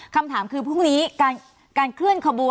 คำถามคือพรุ่งนี้การเคลื่อนขบวน